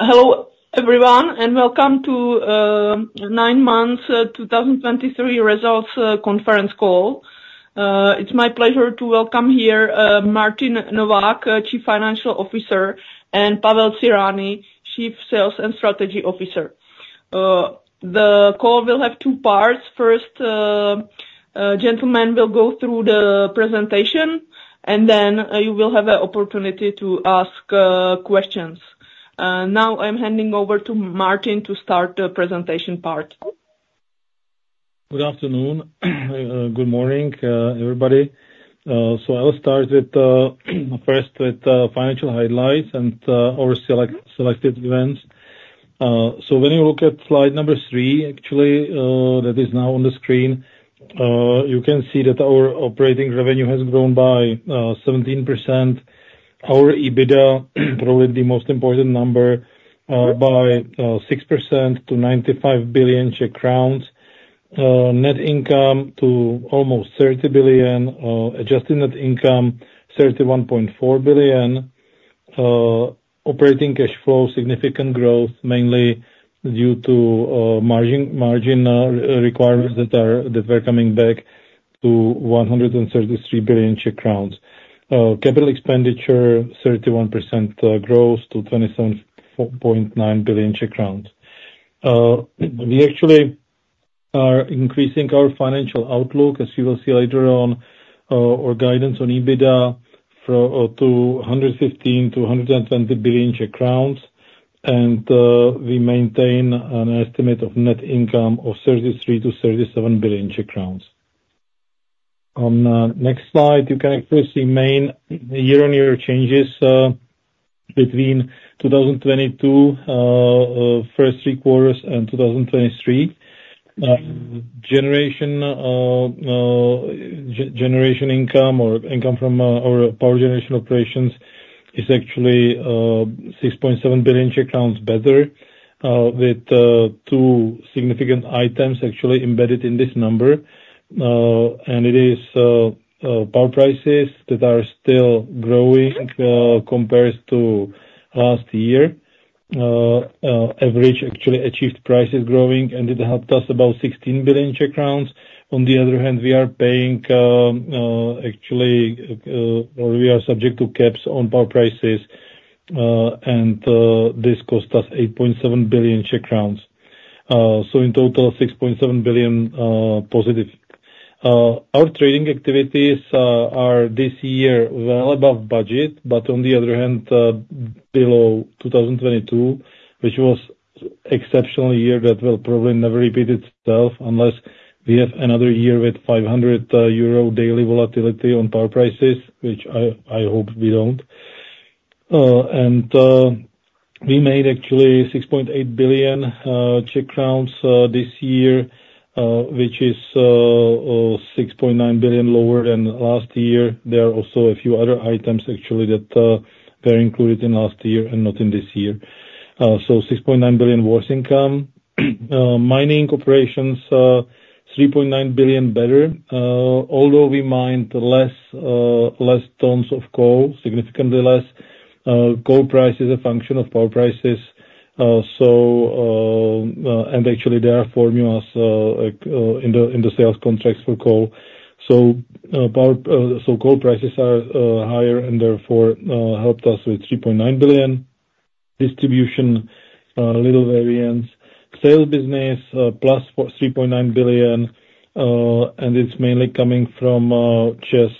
Hello, everyone, and welcome to September 2023 Results Conference Call. It's my pleasure to welcome here Martin Novák, Chief Financial Officer, and Pavel Cyrani, Chief Sales and Strategy Officer. The call will have two parts. First, gentlemen will go through the presentation, and then you will have an opportunity to ask questions. Now I'm handing over to Martin to start the presentation part. Good afternoon. Good morning, everybody. So I'll start with first with the financial highlights and our selected events. So when you look at slide number three, actually, that is now on the screen, you can see that our operating revenue has grown by 17%. Our EBITDA, probably the most important number, by 6% to 95 billion Czech crowns. Net income to almost 30 billion, adjusted net income 31.4 billion. Operating cash flow, significant growth, mainly due to margin requirements that were coming back to 133 billion Czech crowns. Capital expenditure 31% growth to 27.9 billion Czech crowns. We actually are increasing our financial outlook, as you will see later on, our guidance on EBITDA from 215 to 220 billion Czech crowns. We maintain an estimate of net income of 33 to 37 billion Czech crowns. On next slide, you can first see main year-on-year changes between 2022 first three quarters and 2023. Generation income or income from our power generation operations is actually 6.7 billion Czech crowns better, with two significant items actually embedded in this number. And it is power prices that are still growing compared to last year. Average actually achieved prices growing, and it helped us about 16 billion Czech crowns. On the other hand, we are paying, actually, we are subject to caps on power prices, and this cost us 8.7 billion Czech crowns. So in total, 6.7 billion positive. Our trading activities are this year well above budget, but on the other hand, below 2022, which was exceptional year that will probably never repeat itself, unless we have another year with 500 euro daily volatility on power prices, which I hope we don't. And we made actually 6.8 billion this year, which is 6.9 billion lower than last year. There are also a few other items, actually, that were included in last year and not in this year. So 6.9 billion worse income. Mining operations, 3.9 billion better, although we mined less tons of coal, significantly less. Coal price is a function of power prices, so, and actually, there are formulas, like, in the sales contracts for coal. So, power, so coal prices are higher and therefore helped us with 3.9 billion. Distribution, little variance. Sales business, plus 3.9 billion, and it's mainly coming from just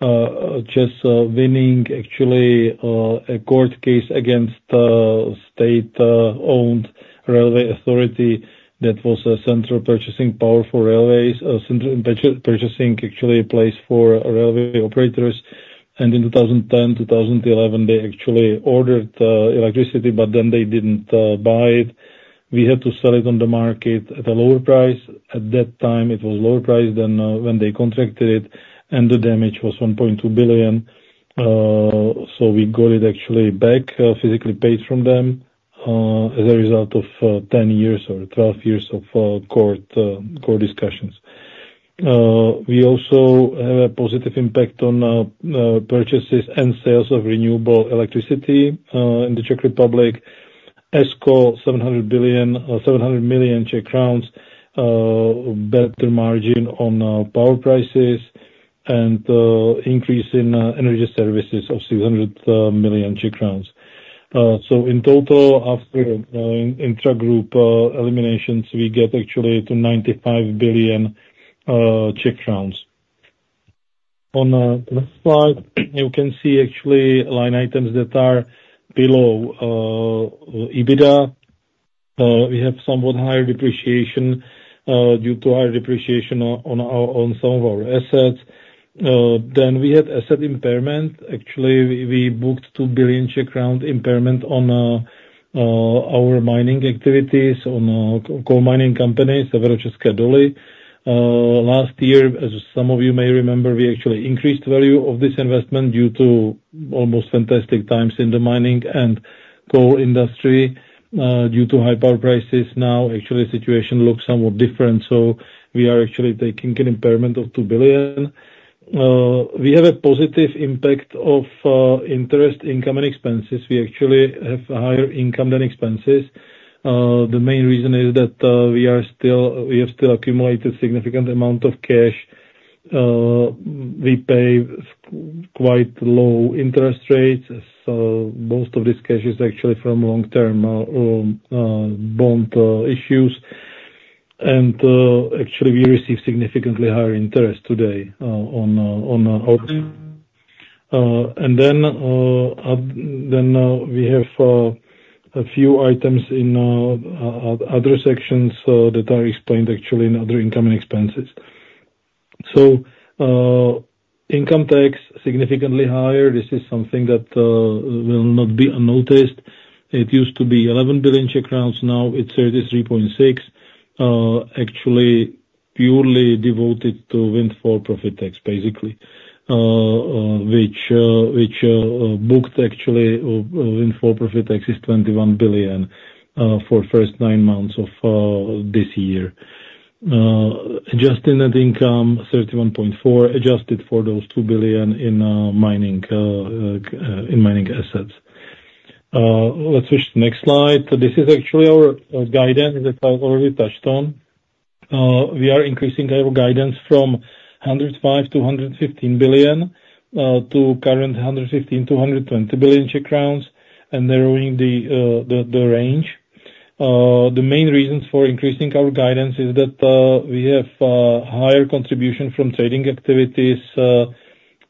winning actually a court case against state-owned railway authority that was a central purchasing power for railways, central purchasing actually a place for railway operators. In 2010, 2011, they actually ordered electricity, but then they didn't buy it. We had to sell it on the market at a lower price. At that time, it was lower price than when they contracted it, and the damage was 1.2 billion. So we got it actually back, physically paid from them, as a result of 10 years or 12 years of court discussions. We also have a positive impact on purchases and sales of renewable electricity in the Czech Republic. ESCO, 700 million Czech crowns, better margin on power prices and increase in energy services of 600 million Czech crowns. So in total, after intra-group eliminations, we get actually to 95 billion Czech crowns. On the next slide, you can see actually line items that are below EBITDA. We have somewhat higher depreciation due to higher depreciation on some of our assets. Then we had asset impairment. Actually, we booked 2 billion impairment on our mining activities, on coal mining companies, Severočeské doly. Last year, as some of you may remember, we actually increased value of this investment due to almost fantastic times in the mining and coal industry due to high power prices. Now, actually, situation looks somewhat different, so we are actually taking an impairment of 2 billion. We have a positive impact of interest, income, and expenses. We actually have a higher income than expenses. The main reason is that we are still, we have still accumulated significant amount of cash. We pay quite low interest rates, so most of this cash is actually from long-term bond issues. Actually, we receive significantly higher interest today on our- and then we have a few items in other sections that are explained actually in other income and expenses. So, income tax significantly higher, this is something that will not be unnoticed. It used to be 11 billion Czech crowns, now it's 33.6 billion. Actually, purely devoted to Windfall Profit Tax, basically, which booked actually Windfall Profit Tax is 21 billion for first nine months of this year. Adjusted net income, 31.4 billion, adjusted for those 2 billion in mining assets. Let's switch to next slide. So this is actually our guidance, as I've already touched on. We are increasing our guidance from 105 billion-115 billion to current 115 billion-120 billion Czech crowns, and narrowing the range. The main reasons for increasing our guidance is that we have higher contribution from trading activities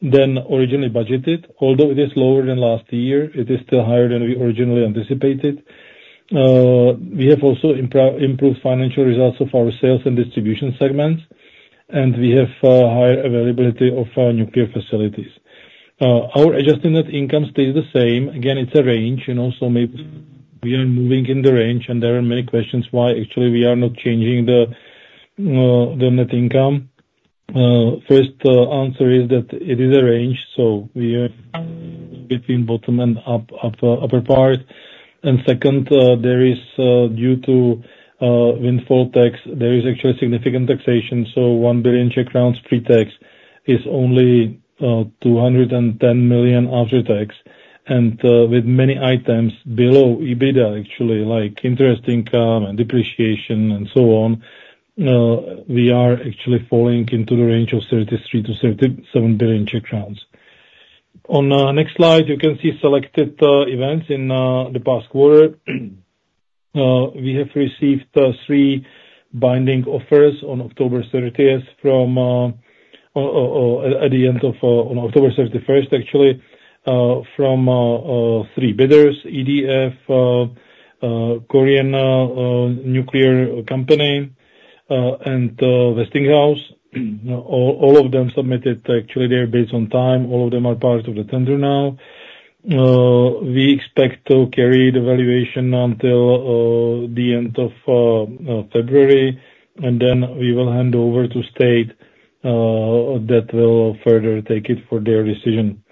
than originally budgeted. Although it is lower than last year, it is still higher than we originally anticipated. We have also improved financial results of our sales and distribution segments, and we have higher availability of our nuclear facilities. Our adjusted net income stays the same. Again, it's a range, you know, so maybe we are moving in the range, and there are many questions why actually we are not changing the net income. First, the answer is that it is a range, so we are between bottom and upper part. Second, there is, due to windfall tax, there is actually significant taxation, so 1 billion Czech crowns pre-tax is only 210 million after tax. And, with many items below EBITDA, actually, like interest income and depreciation, and so on, we are actually falling into the range of 33 billion-37 billion Czech crowns. On next slide, you can see selected events in the past quarter. We have received three binding offers on October 30th from at the end of, on October 31st, actually, from three bidders, EDF, Korean nuclear company, and Westinghouse. All, all of them submitted, actually, their bids on time. All of them are part of the tender now. We expect to carry the valuation until the end of February, and then we will hand over to state that will further take it for their decision.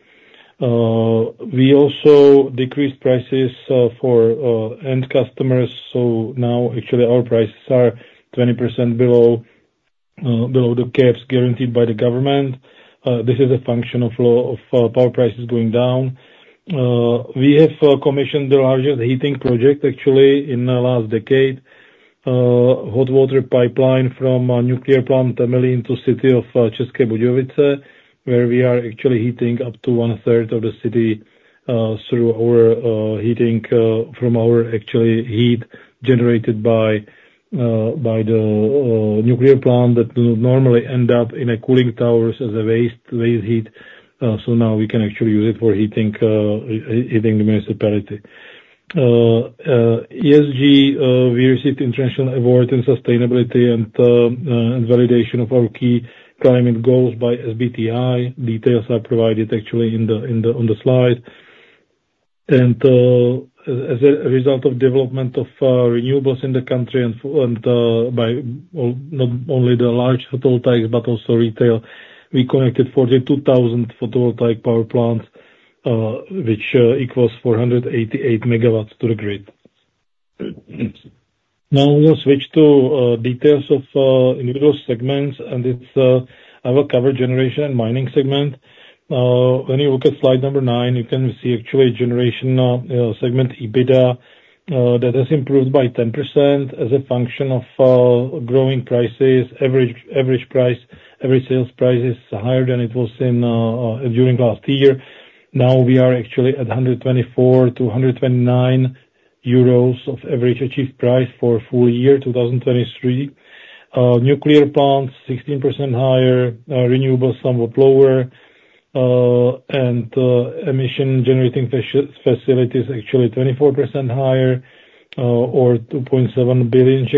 We also decreased prices for end customers, so now actually, our prices are 20% below the caps guaranteed by the government. This is a function of power prices going down. We have commissioned the largest heating project actually, in the last decade. Hot water pipeline from a nuclear plant, Temelín, into city of České Budějovice, where we are actually heating up to one third of the city through our heating from our actually heat generated by the nuclear plant that would normally end up in a cooling towers as a waste, waste heat. So now we can actually use it for heating, heating the municipality. ESG, we received international award in sustainability and, and validation of our key climate goals by SBTi. Details are provided actually in the, in the, on the slide. As a result of development of renewables in the country and by not only the large photovoltaics, but also retail, we connected 42,000 photovoltaic power plants, which equals 488 MW to the grid. Now, we'll switch to details of individual segments, and it's I will cover generation and mining segment. When you look at slide number nine, you can see actually generation segment EBITDA that has improved by 10% as a function of growing prices. Average price, every sales price is higher than it was during last year. Now we are actually at 124-129 euros of average achieved price for full year 2023. Nuclear plants 16% higher, renewables somewhat lower, and emission-generating facilities actually 24% higher, or 2.7 billion.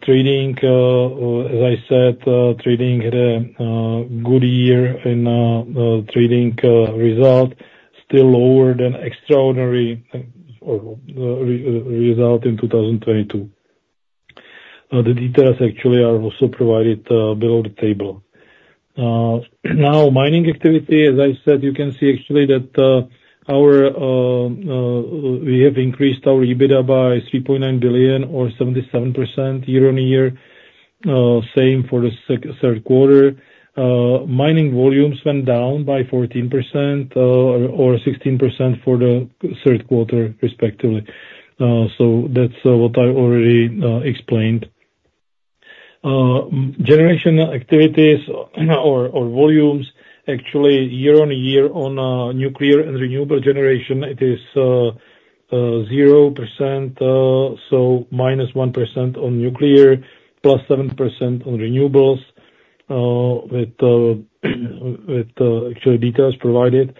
Trading, as I said, trading had a good year in trading result, still lower than extraordinary result in 2022. The details actually are also provided below the table. Now, mining activity, as I said, you can see actually that we have increased our EBITDA by 3.9 billion or 77% year-on-year. Same for the third quarter. Mining volumes went down by 14%, or 16% for the third quarter respectively. So that's what I already explained. Generation activities, or volumes, actually year-on-year on nuclear and renewable generation, it is 0%, so -1% on nuclear, +7% on renewables, with actually details provided.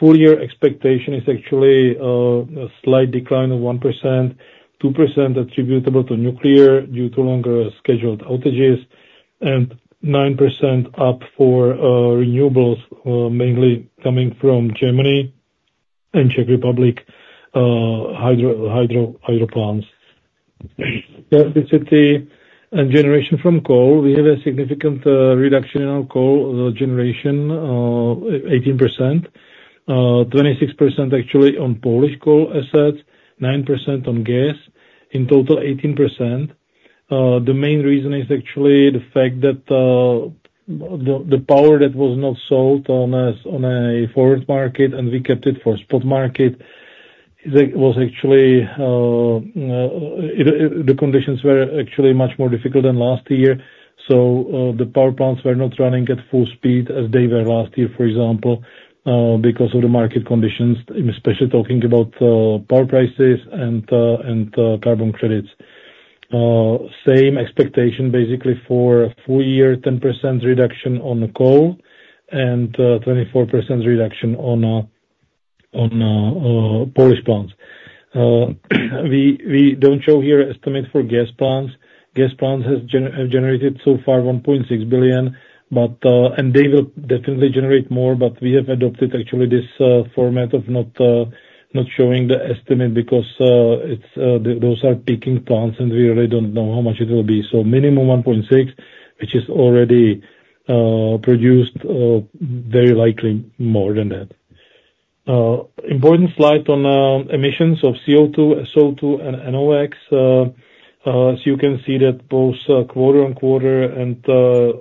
Full year expectation is actually a slight decline of 1%-2% attributable to nuclear due to longer scheduled outages, and 9% up for renewables, mainly coming from Germany and Czech Republic, hydro plants. Electricity and generation from coal, we have a significant reduction in our coal generation, 18%, 26% actually on Polish coal assets, 9% on gas, in total, 18%. The main reason is actually the fact that the power that was not sold on a forward market, and we kept it for spot market, it was actually the conditions were actually much more difficult than last year, so the power plants were not running at full speed as they were last year, for example, because of the market conditions, and especially talking about power prices and carbon credits. Same expectation, basically, for a full year, 10% reduction on the coal and 24% reduction on Polish plants. We don't show here estimate for gas plants. Gas plants have generated so far 1.6 billion, but, and they will definitely generate more, but we have adopted actually this format of not showing the estimate because, it's those are peaking plants, and we really don't know how much it will be. So minimum 1.6 billion, which is already produced, very likely more than that. Important slide on emissions of CO2, SO2, and NOx. So you can see that both quarter-on-quarter and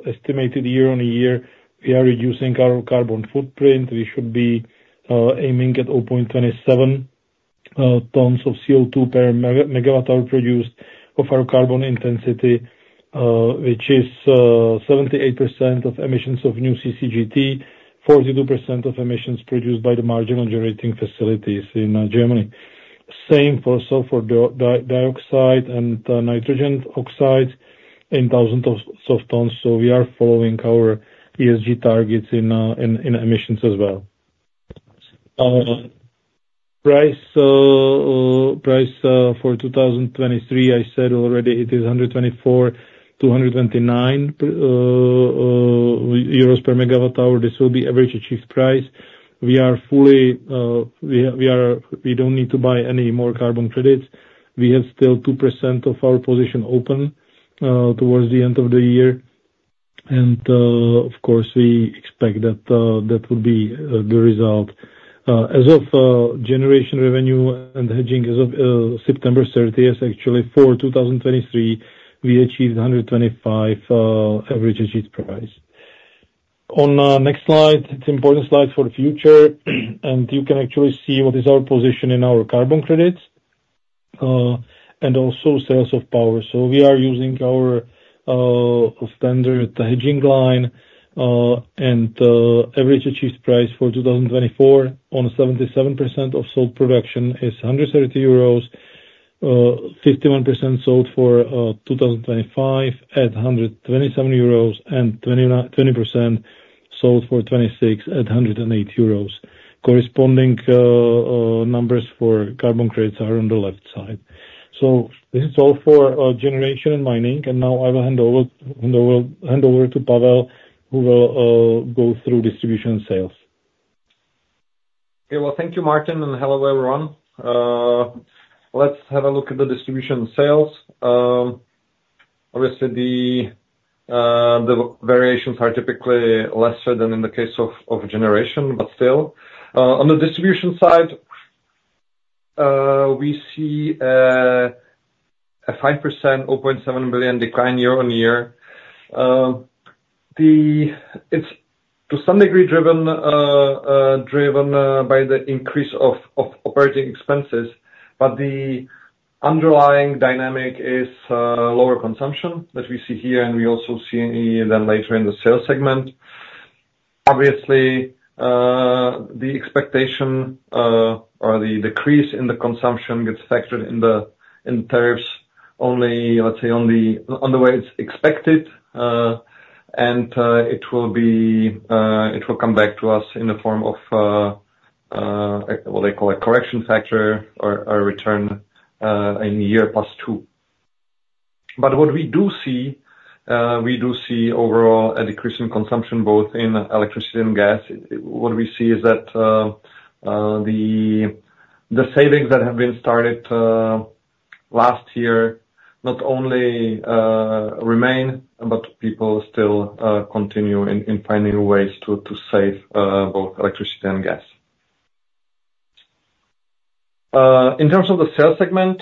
estimated year-on-year, we are reducing our carbon footprint. We should be aiming at 0.27 tons of CO2 per megawatt hour produced of our carbon intensity, which is 78% of emissions of new CCGT, 42% of emissions produced by the marginal generating facilities in Germany. Same for sulfur dioxide and nitrogen oxides in thousands of tons, so we are following our ESG targets in emissions as well. Price for 2023, I said already, it is 124-129 per megawatt hour. This will be average achieved price. We are fully. We don't need to buy any more carbon credits. We have still 2% of our position open, towards the end of the year, and, of course, we expect that that will be the result. As of generation revenue and hedging as of September 30, actually, for 2023, we achieved 125 average achieved price. On next slide, it's important slide for the future, and you can actually see what is our position in our carbon credits, and also sales of power. So we are using our standard hedging line, and average achieved price for 2024 on 77% of sold production is 130 euros, 51% sold for 2025 at 127 euros, and 20% sold for 2026 at 108 euros. Corresponding numbers for carbon credits are on the left side. So this is all for generation and mining, and now I will hand over to Pavel, who will go through distribution sales. Okay, well, thank you, Martin, and hello, everyone. Let's have a look at the distribution sales. Obviously, the variations are typically lesser than in the case of generation, but still. On the distribution side, we see a 5%, 0.7 billion decline year-on-year. It's to some degree driven by the increase of operating expenses, but the underlying dynamic is lower consumption that we see here, and we also see then later in the sales segment. Obviously, the expectation or the decrease in the consumption gets factored in the tariffs only, let's say, only on the way it's expected, and it will come back to us in the form of what they call a correction factor or return in year plus two. But what we do see, we do see overall a decrease in consumption, both in electricity and gas. What we see is that the savings that have been started last year not only remain, but people still continue in finding ways to save both electricity and gas. In terms of the sales segment,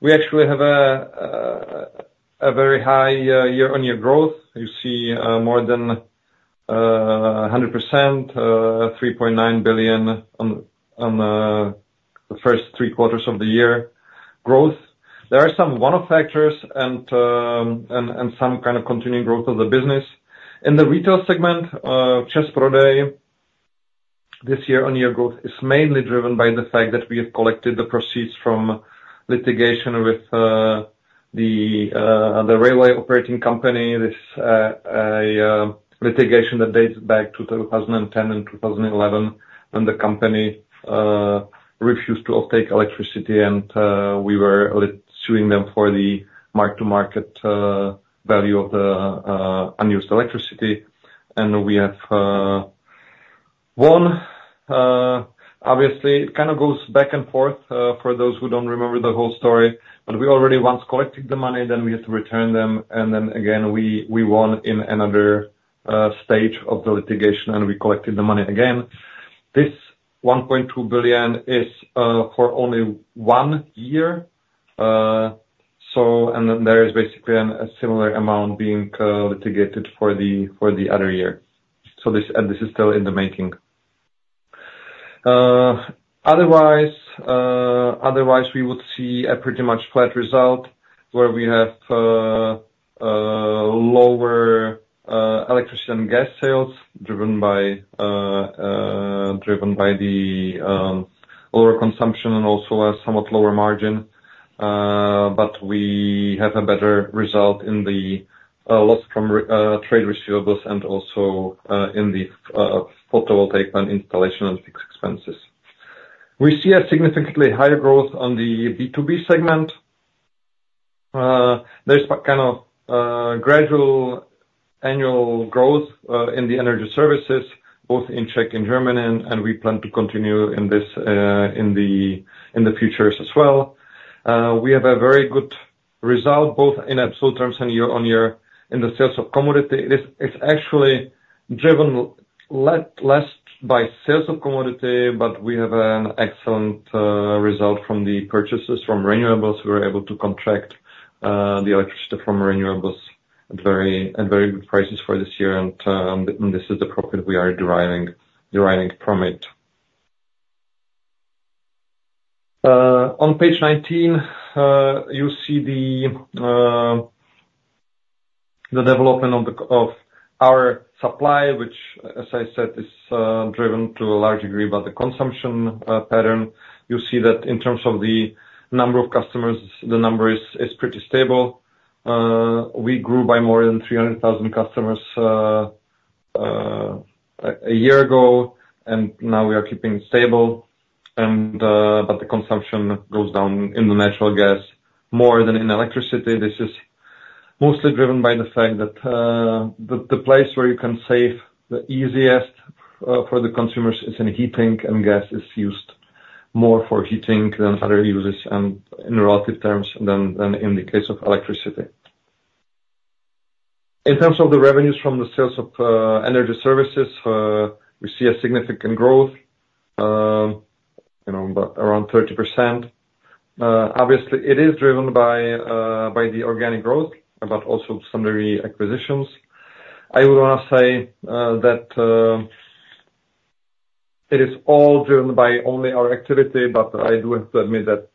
we actually have a very high year-on-year growth. You see, more than 100%, 3.9 billion on the first three quarters of the year growth. There are some one-off factors and some kind of continuing growth of the business. In the retail segment, ČEZ Prodej, this year-on-year growth is mainly driven by the fact that we have collected the proceeds from litigation with the railway operating company. This litigation that dates back to 2010 and 2011, when the company refused to offtake electricity and we were suing them for the mark-to-market value of the unused electricity. And we have won. Obviously, it kind of goes back and forth for those who don't remember the whole story, but we already once collected the money, then we had to return them, and then again, we won in another stage of the litigation, and we collected the money again. This 1.2 billion is for only one year, and then there is basically a similar amount being litigated for the other year. So this and this is still in the making. Otherwise, we would see a pretty much flat result where we have lower electricity and gas sales, driven by the lower consumption and also a somewhat lower margin. But we have a better result in the loss from trade receivables and also in the photovoltaic and installation and fixed expenses. We see a significantly higher growth on the B2B segment. There's a kind of gradual annual growth in the energy services, both in Czech and German, and we plan to continue in this in the futures as well. We have a very good result, both in absolute terms and year-on-year, in the sales of commodity. This is actually driven less by sales of commodity, but we have an excellent result from the purchases from renewables. We were able to contract the electricity from renewables at very good prices for this year, and this is the profit we are deriving from it. On page 19, you see the development of our supply, which, as I said, is driven to a large degree by the consumption pattern. You see that in terms of the number of customers, the number is pretty stable. We grew by more than 300,000 customers a year ago, and now we are keeping it stable, but the consumption goes down in the natural gas more than in electricity. This is mostly driven by the fact that the place where you can save the easiest for the consumers is in heating, and gas is used more for heating than other uses, and in relative terms than in the case of electricity. In terms of the revenues from the sales of energy services, we see a significant growth, you know, about around 30%. Obviously, it is driven by the organic growth, but also some of the acquisitions. I would wanna say that it is all driven by only our activity, but I do have to admit that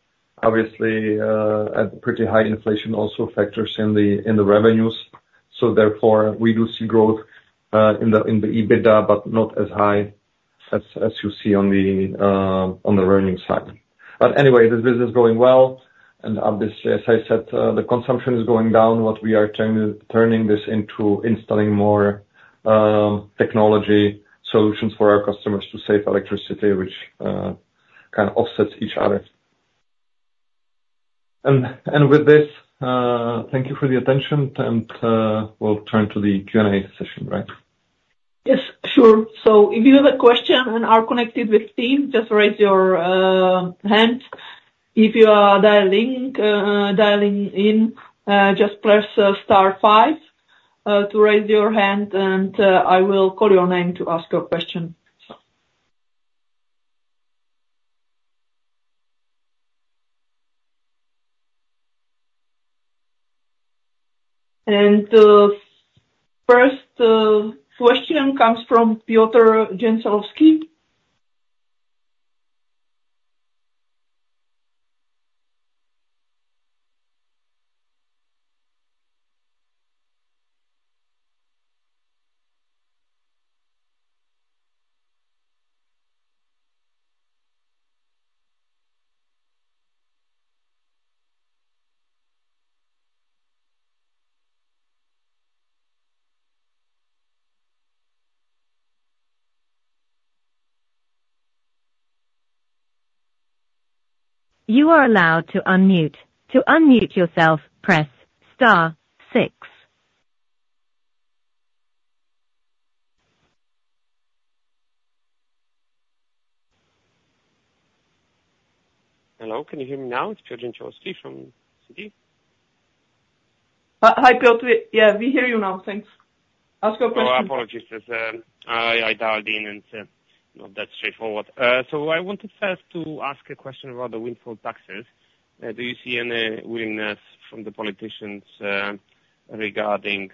obviously a pretty high inflation also factors in the revenues. So therefore, we do see growth in the EBITDA, but not as high as you see on the revenue side. But anyway, this business is going well, and obviously, as I said, the consumption is going down, but we are turning this into installing more technology solutions for our customers to save electricity, which kind of offsets each other. With this, thank you for the attention, and we'll turn to the Q&A session, right? Yes, sure. So if you have a question and are connected with Teams, just raise your hand. If you are dialing in, just press star five to raise your hand, and I will call your name to ask a question. So... The first question comes from Piotr Dzięciołowski. You are allowed to unmute. To unmute yourself, press star six. Hello, can you hear me now? It's Piotr Dzięciołowski from Citi. Hi, Piotr. Yeah, we hear you now. Thanks. Ask your question. Oh, apologies, as I dialed in, and not that straightforward. So I wanted first to ask a question about the windfall taxes. Do you see any willingness from the politicians regarding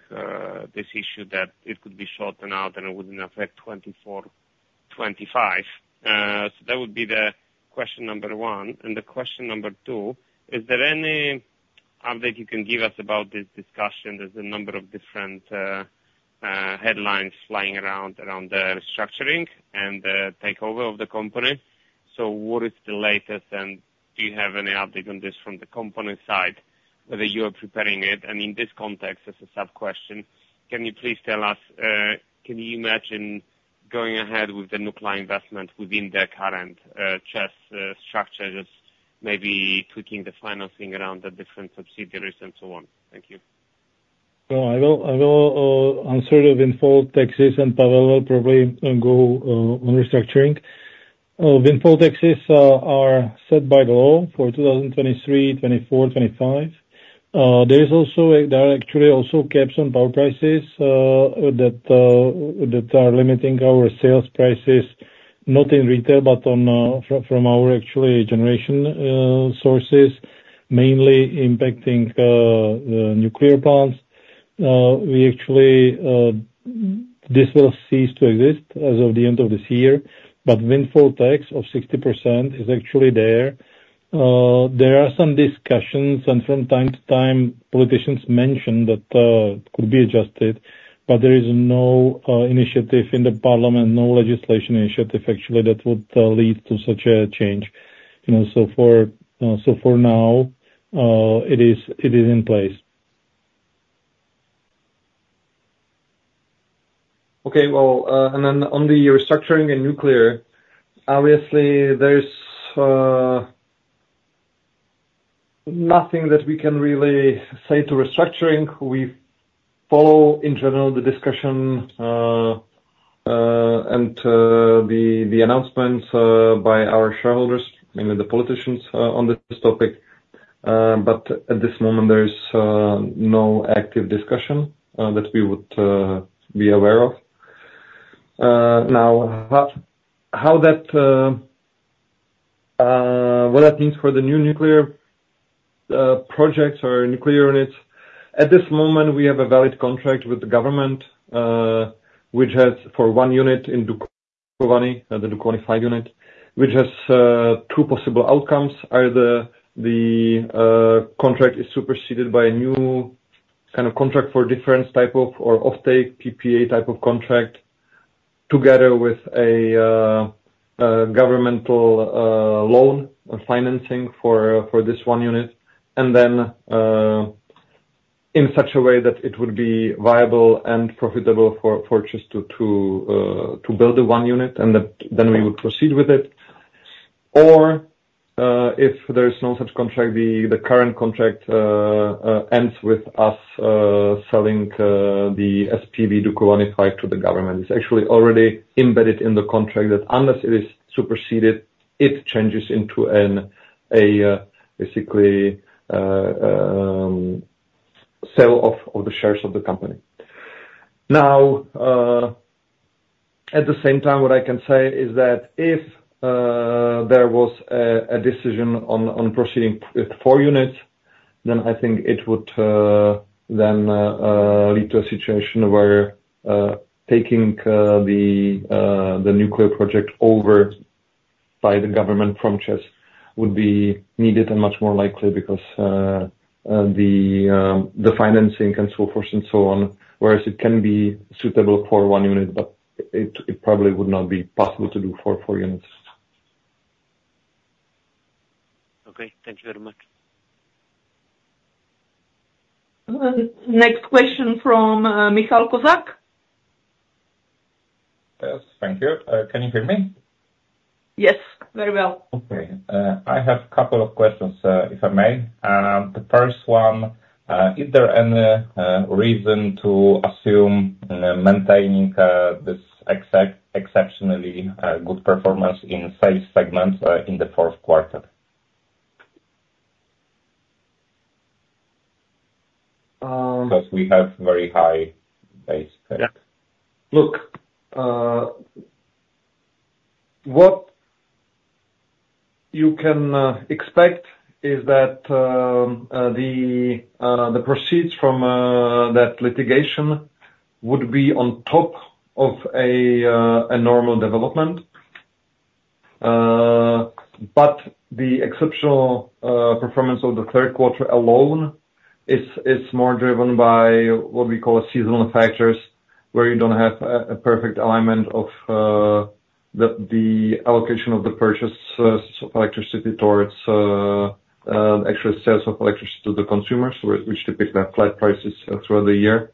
this issue, that it could be shortened out and it wouldn't affect 2024, 2025? So that would be the question number one. And the question number two: Is there any update you can give us about this discussion? There's a number of different headlines flying around, around the restructuring and the takeover of the company. So what is the latest, and do you have any update on this from the company side, whether you are preparing it? In this context, as a sub-question, can you please tell us, can you imagine going ahead with the nuclear investment within the current ČEZ structure, just maybe tweaking the financing around the different subsidiaries and so on? Thank you. Well, I will, I will, answer the windfall taxes, and Pavel will probably go on restructuring. Windfall taxes are set by the law for 2023, 2024, 2025. There is also a- there are actually also caps on power prices that that are limiting our sales prices, not in retail, but on from our actually generation sources, mainly impacting the nuclear plants. We actually... This will cease to exist as of the end of this year, but windfall tax of 60% is actually there. There are some discussions, and from time to time, politicians mention that could be adjusted, but there is no initiative in the parliament, no legislation initiative, actually, that would lead to such a change. You know, so for now, it is in place. Okay, well, and then on the restructuring and nuclear, obviously there's nothing that we can really say to restructuring. We follow, in general, the discussion and the announcements by our shareholders, mainly the politicians, on this topic. At this moment, there is no active discussion that we would be aware of. Now, how that what that means for the new nuclear projects or nuclear units, at this moment, we have a valid contract with the government, which has, for one unit in Dukovany, the Dukovany 5 unit, which has two possible outcomes. Either the contract is superseded by a new kind of contract for different type of or offtake PPA type of contract, together with a governmental loan or financing for this 1 unit, and then in such a way that it would be viable and profitable for just to build the 1 unit, and that then we would proceed with it. Or, if there is no such contract, the current contract ends with us selling the SPV Dukovany 5 to the government. It's actually already embedded in the contract, that unless it is superseded, it changes into a basically sale of the shares of the company. Now, at the same time, what I can say is that if there was a decision on proceeding with four units, then I think it would lead to a situation where taking the nuclear project over by the government from ČEZ would be needed and much more likely because the financing and so forth and so on, whereas it can be suitable for one unit, but it probably would not be possible to do for four units. Okay. Thank you very much. Next question from Michal Kozak. Yes. Thank you. Can you hear me? Yes, very well. Okay. I have a couple of questions, if I may. The first one, is there any reason to assume maintaining this exceptionally good performance in sales segments in the fourth quarter? Um Because we have very high base effect. Yeah. Look, what you can expect is that the proceeds from that litigation would be on top of a normal development. But the exceptional performance of the third quarter alone is more driven by what we call seasonal factors, where you don't have a perfect alignment of the allocation of the purchase so electricity towards actual sales of electricity to the consumers, which depict the flat prices throughout the year.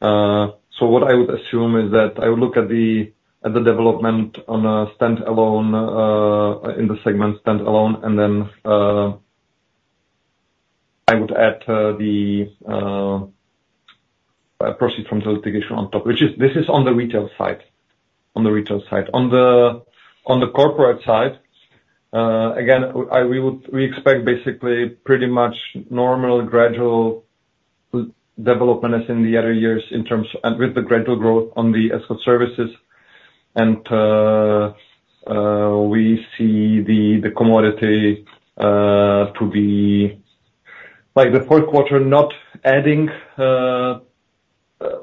So what I would assume is that I would look at the development on a standalone in the segment standalone, and then I would add the proceed from the litigation on top, which is, this is on the retail side, on the retail side. On the corporate side, again, we expect basically pretty much normal, gradual development as in the other years, and with the gradual growth on the ESCO services, and we see the commodity to be like the fourth quarter, not adding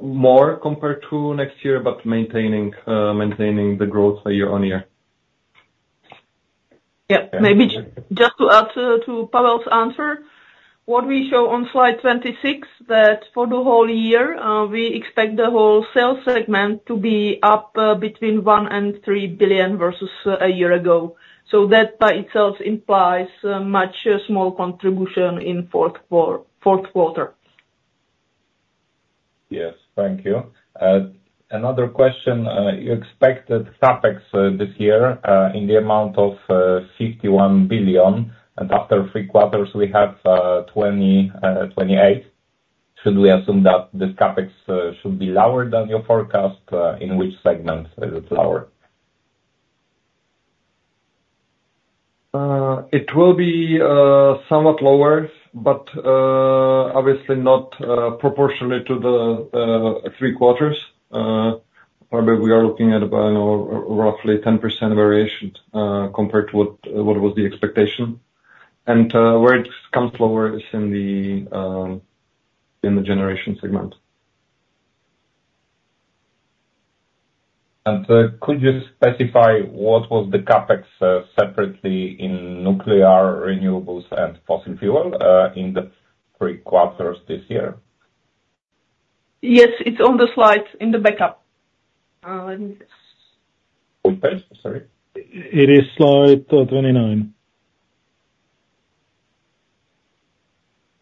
more compared to next year, but maintaining the growth year-on-year. Yeah. Maybe just to add to Pavel's answer, what we show on slide 26, that for the whole year, we expect the whole sales segment to be up between 1 billion and 3 billion versus a year ago. So that by itself implies much small contribution in fourth quarter. Yes, thank you. Another question, you expected CapEx this year in the amount of 51 billion, and after three quarters, we have 28 billion. Should we assume that this CapEx should be lower than your forecast? In which segments is it lower? It will be somewhat lower, but obviously not proportionate to the three quarters. Probably we are looking at about, roughly 10% variation compared to what was the expectation. And where it comes lower is in the generation segment. Could you specify what was the CapEx separately in nuclear, renewables, and fossil fuel in the three quarters this year? Yes, it's on the slides, in the backup. Let me just- Okay. Sorry. It is slide 29.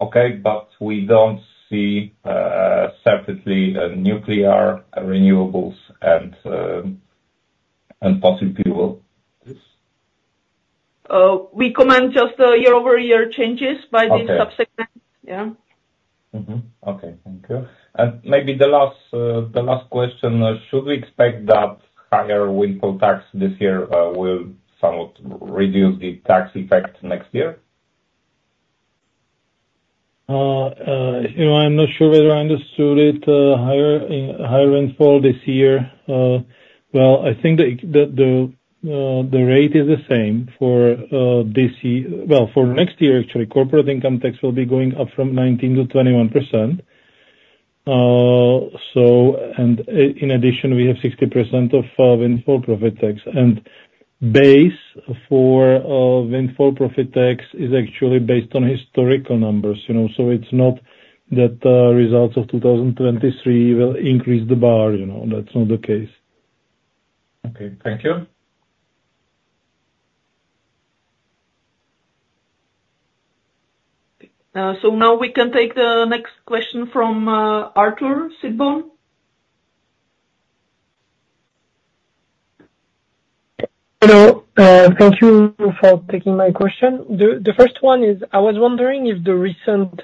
Okay, but we don't see separately the nuclear, renewables and fossil fuel. We comment just year-over-year changes by these. Okay. Yeah. Mm-hmm. Okay. Thank you. And maybe the last question: Should we expect that higher windfall tax this year will somewhat reduce the tax effect next year? You know, I'm not sure whether I understood it, higher, higher Windfall Profit Tax this year. Well, I think the rate is the same for this year. Well, for next year, actually, corporate income tax will be going up from 19% to 21%. So, and in addition, we have 60% of Windfall Profit Tax. And base for Windfall Profit Tax is actually based on historical numbers, you know, so it's not that the results of 2023 will increase the bar, you know, that's not the case. Okay, thank you. So now we can take the next question from Arthur Sitbon. Hello, thank you for taking my question. The first one is, I was wondering if the recent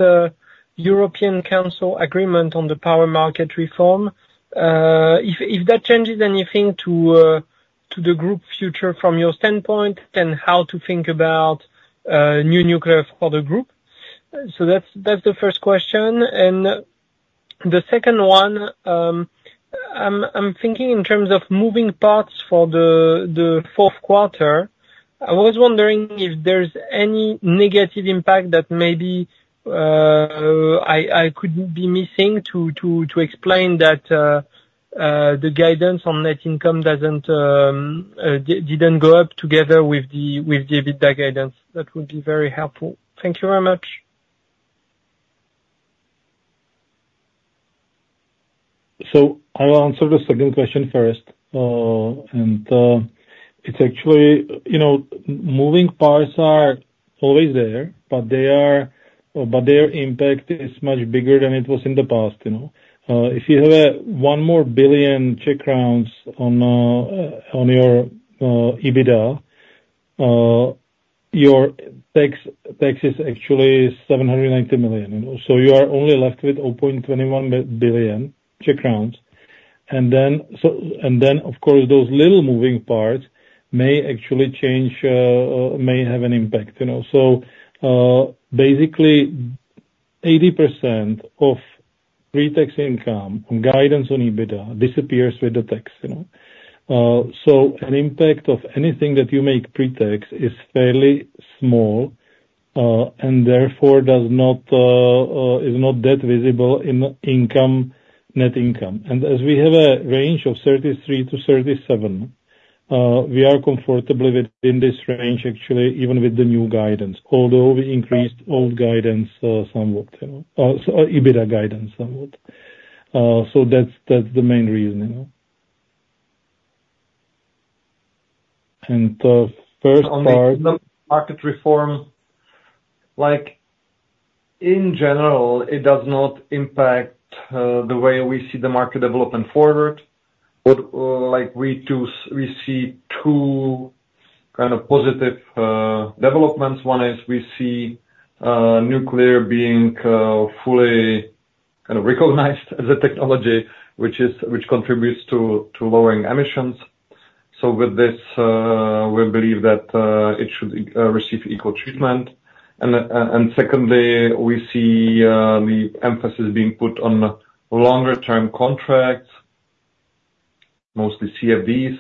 European Council agreement on the power market reform, if that changes anything to the group future from your standpoint, then how to think about new nuclear for the group? So that's the first question. And the second one, I'm thinking in terms of moving parts for the fourth quarter. I was wondering if there's any negative impact that maybe I could be missing to explain that, the guidance on net income didn't go up together with the EBITDA guidance. That would be very helpful. Thank you very much. So I will answer the second question first. And, it's actually, you know, moving parts are always there, but they are, but their impact is much bigger than it was in the past, you know? If you have 1 billion more on your EBITDA, your tax is actually 790 million. So you are only left with 0.21 billion Czech crowns. And then, so, and then, of course, those little moving parts may actually change, or may have an impact, you know. So, basically, 80% of pre-tax income and guidance on EBITDA disappears with the tax, you know. So an impact of anything that you make pre-tax is fairly small, and therefore does not is not that visible in income, net income. And as we have a range of 33-37, we are comfortable with in this range, actually, even with the new guidance, although we increased old guidance, somewhat, you know, so EBITDA guidance somewhat. So that's, that's the main reason, you know? And, first part Market reform, like, in general, it does not impact the way we see the market development forward. But, like we see two kind of positive developments. One is we see nuclear being fully kind of recognized as a technology, which contributes to lowering emissions. So with this, we believe that it should receive equal treatment. And, and secondly, we see the emphasis being put on longer term contracts, mostly CFDs,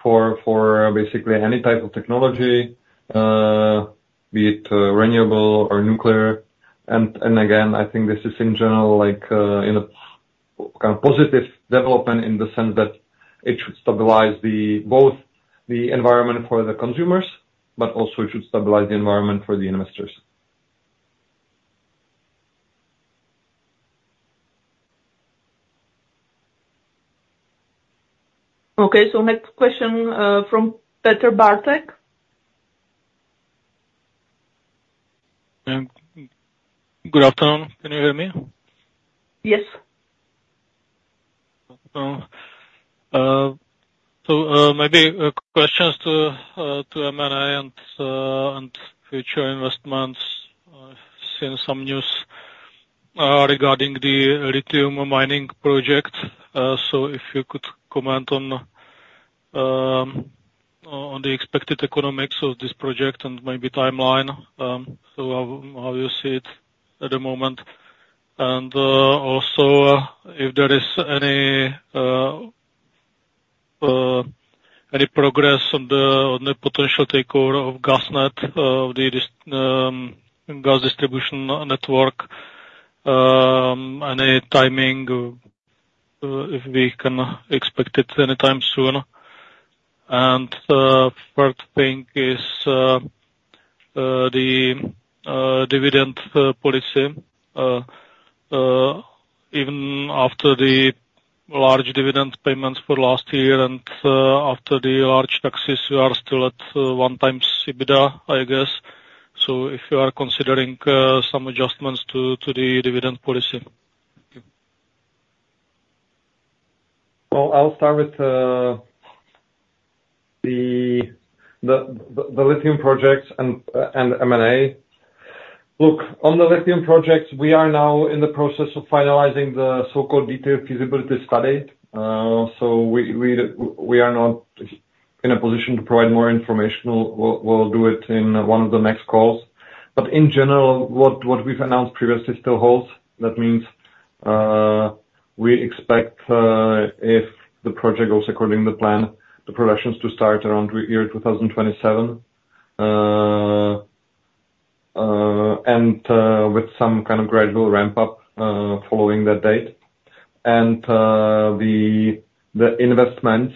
for basically any type of technology, be it renewable or nuclear. And, and again, I think this is in general, like, in a kind of positive development, in the sense that it should stabilize both the environment for the consumers, but also it should stabilize the environment for the investors. Okay, so next question, from Petr Bártek. Good afternoon. Can you hear me? Yes. So, maybe questions to M&A and future investments. I've seen some news regarding the lithium mining project. So if you could comment on the expected economics of this project and maybe timeline, so how you see it at the moment? And also, if there is any progress on the potential takeover of GasNet, the gas distribution network, any timing, if we can expect it anytime soon? And third thing is the dividend policy. Even after the large dividend payments for last year and after the large taxes, you are still at one time EBITDA, I guess. So if you are considering some adjustments to the dividend policy. Well, I'll start with the lithium projects and M&A. Look, on the lithium projects, we are now in the process of finalizing the so-called detailed feasibility study. So we are not in a position to provide more information. We'll do it in one of the next calls. But in general, what we've announced previously still holds. That means, we expect, if the project goes according to plan, the productions to start around year 2027. And with some kind of gradual ramp up following that date. The investments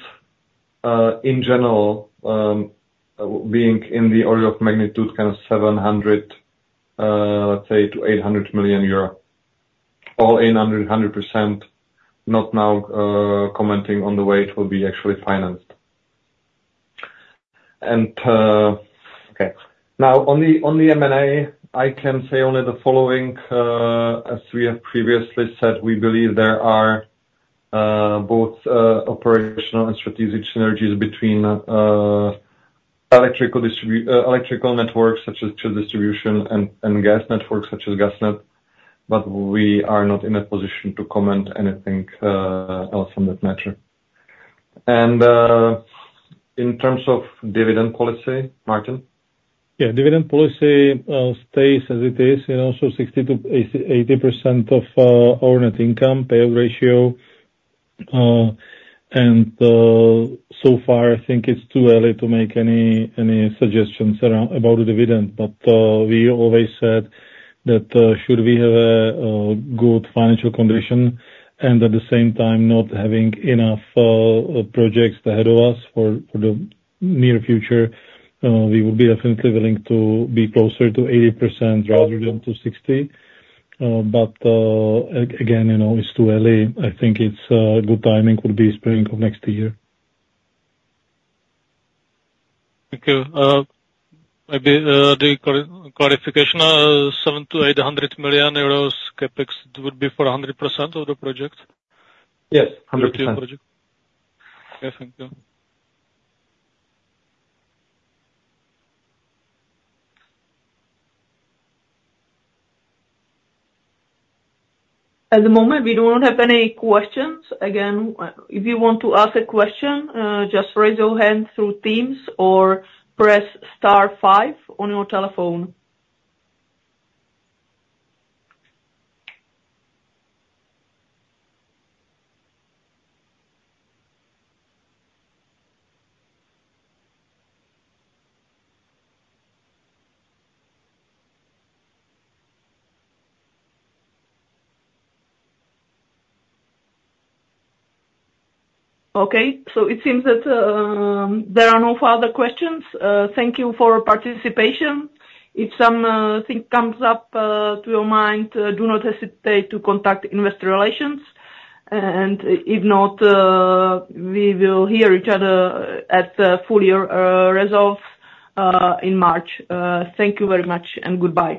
in general being in the order of magnitude, kind of 700, let's say, to 800 million euro, or 800 100%, not now commenting on the way it will be actually financed. Okay, now on the M&A, I can say only the following, as we have previously said, we believe there are both operational and strategic synergies between electrical networks, such as ČEZ Distribuce, and gas networks, such as GasNet, but we are not in a position to comment anything else on that matter. In terms of dividend policy, Martin? Yeah, dividend policy stays as it is, you know, so 60%-80% of our net income payout ratio. And so far, I think it's too early to make any suggestions about the dividend, but we always said that should we have a good financial condition, and at the same time, not having enough projects ahead of us for the near future, we will be definitely willing to be closer to 80% rather than to 60. But again, you know, it's too early. I think good timing will be spring of next year. Thank you. Maybe the clarification, 700 million-800 million euros CapEx would be for 100% of the project? Yes, 100%. Project. Okay, thank you. At the moment, we don't have any questions. Again, if you want to ask a question, just raise your hand through Teams or press star five on your telephone. Okay, so it seems that there are no further questions. Thank you for your participation. If something comes up to your mind, do not hesitate to contact Investor Relations, and if not, we will hear each other at the full year results in March. Thank you very much, and goodbye.